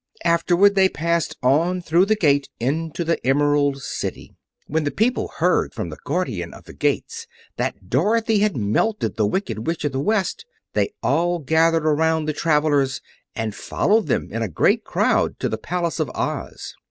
Afterward they passed on through the gate into the Emerald City. When the people heard from the Guardian of the Gates that Dorothy had melted the Wicked Witch of the West, they all gathered around the travelers and followed them in a great crowd to the Palace of Oz.